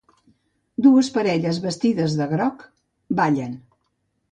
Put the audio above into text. Dues parelles vestides de groc ballen.